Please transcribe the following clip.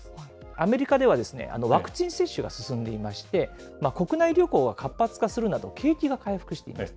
アメリカではワクチン接種が進んでいまして、国内旅行が活発化するなど、景気が回復しています。